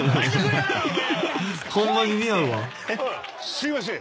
すいません。